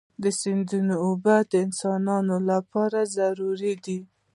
د سیندونو اوبه د انسانانو لپاره ضروري دي.